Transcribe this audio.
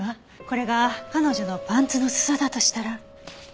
これが彼女のパンツの裾だとしたら。